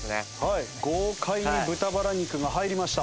豪快に豚バラ肉が入りました。